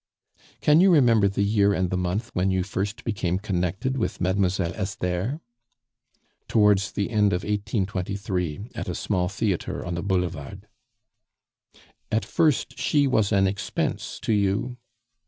"Can you remember the year and the month when you first became connected with Mademoiselle Esther?" "Towards the end of 1823, at a small theatre on the Boulevard." "At first she was an expense to you?"